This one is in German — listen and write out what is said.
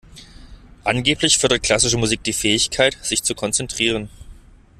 Angeblich fördert klassische Musik die Fähigkeit, sich zu konzentrieren.